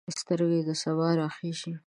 سترګه د سبا راخیژي